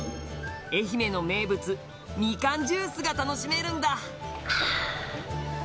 愛媛の名物みかんジュースが楽しめるんだ